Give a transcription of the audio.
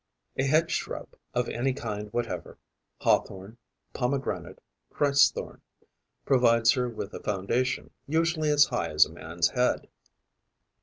A hedge shrub of any kind whatever hawthorn, pomegranate, Christ's thorn provides her with a foundation, usually as high as a man's head.